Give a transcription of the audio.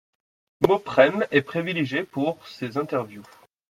Mopreme est privilégié pour ses interviews.